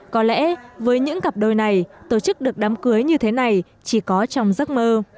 có lẽ với những cặp đôi này tổ chức được đám cưới như thế này chỉ có trong giấc mơ